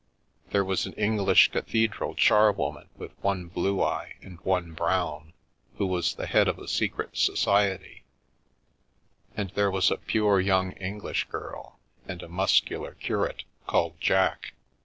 There was an English cathedral charwoman with one blue eye and one brown, who was the head of a secret society ; and there was a pure young English girl, and a muscular curate called Jack.